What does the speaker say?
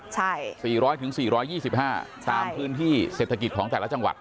ใช่๔๐๐๔๒๕ตามพื้นที่เศรษฐกิจของแต่ละจังหวัด